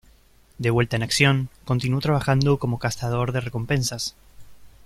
De vuelta en acción, continuó trabajando como cazador de recompensas.